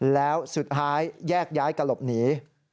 แล้วสุดท้ายแยกย้ายกระหลบหนี